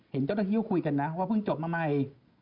เห็นเจ้าหน้าที่คุยกันนะว่าเพิ่งจบมาใหม่